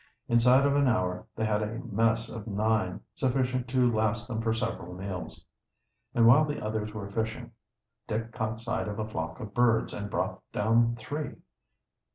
Inside of an hour they had a mess of nine, sufficient to last them for several meals. And while the others were fishing, Dick caught sight of a flock of birds, and brought down three.